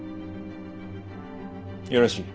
よろしい。